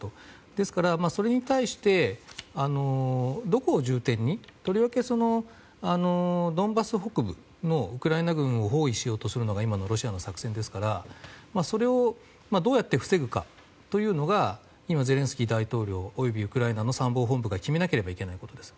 ですから、それに対してどこを重点にとりわけ、ドンバス北部を包囲しようとするのが今のロシアの作戦ですからそれをどうやって防ぐかが今、ゼレンスキー大統領及びウクライナの参謀本部が決めなければいけないことです。